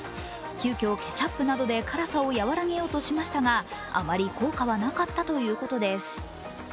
急きょ、ケチャップなどで辛さを和らげようとしましたが、あまり効果はなかったということです。